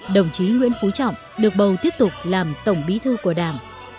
đồng chí nguyễn phú trọng được bầu tiếp tục làm tổng bí thư của đảng